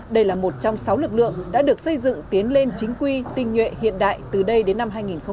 đây là một trong sáu lực lượng đã được xây dựng tiến lên chính quy tinh nhuệ hiện đại từ đây đến năm hai nghìn hai mươi